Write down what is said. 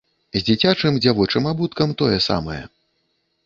З дзіцячым дзявочым абуткам тое самае.